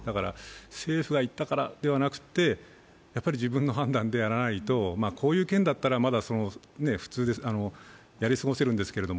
政府が言ったからではなくて、自分の判断でやらないとこういう件だったらまず普通にやり過ごせるんですけど